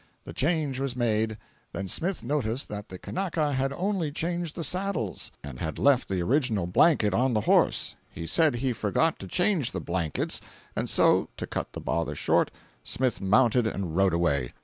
The change was made; then Smith noticed that the Kanaka had only changed the saddles, and had left the original blanket on the horse; he said he forgot to change the blankets, and so, to cut the bother short, Smith mounted and rode away.